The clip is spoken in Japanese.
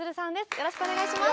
よろしくお願いします。